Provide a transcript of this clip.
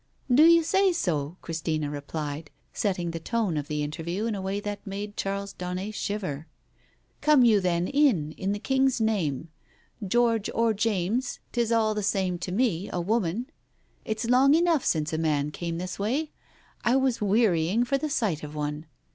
" Do you say so ?" Christina replied, setting the tone of the interview in a way that made Charles Daunet shiver. "Come you then in, in the King's name. George or James, 'tis all the same to me, a woman. It's long enough since a man came this way. I was wearying for the sight of one."